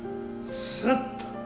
すっと。